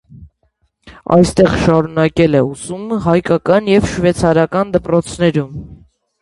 Այստեղ շարունակել է ուսումը հայկական և շվեյցարական դպրոցներում։